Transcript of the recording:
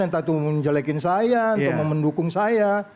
entah itu menjelekin saya entah itu mendukung saya